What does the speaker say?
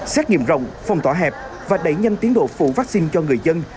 xét nghiệm rộng phong tỏa hẹp và đẩy nhanh tiến độ phủ vaccine cho người dân